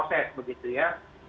proses begitu ya